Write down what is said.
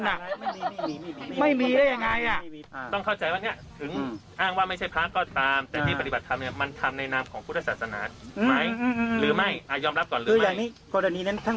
ว่าคำมาที่สอนของท่านเองหรือเปล่าครับของโยมเองหรือเปล่าไม่ใช่